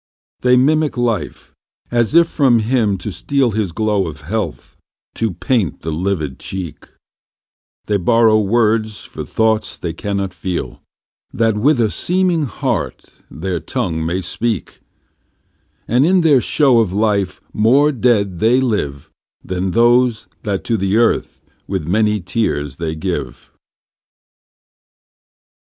They mimic life, as if from Him to stealHis glow of health to paint the livid cheek; They borrow words for thoughts they cannot feel, That with a seeming heart their tongue may speak; And in their show of life more dead they liveThan those that to the earth with many tears they give.